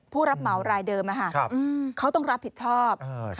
ผู้รับเหมารายเดิมเขาต้องรับผิดชอบ